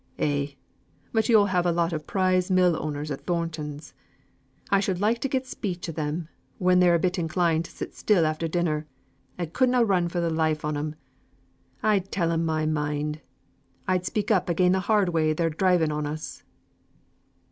Eh! but yo'll have a lot of prize mill owners at Thornton's! I should like to get speech o' them, when they're a bit inclined to sit still after dinner, and could na run for the life on 'em. I'd tell 'em my mind. I'd speak up again th' hard way they're driving on us!"